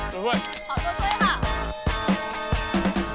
อ๋อเชื่อเชื่อค่ะ